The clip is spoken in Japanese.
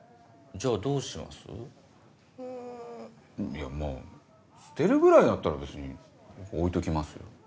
いやまぁ捨てるぐらいだったら別に置いときますよ。